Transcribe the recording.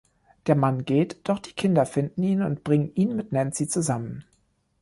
Der Mann geht, doch die Kinder finden ihn und bringen ihn mit Nancy zusammen.